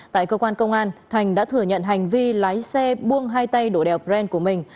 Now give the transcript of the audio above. tại cơ quan công an thành đã thừa nhận hành vi lái xe buông hai tay đổ đèo brent của mình